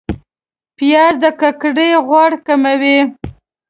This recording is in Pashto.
پیاز د ککر غوړ کموي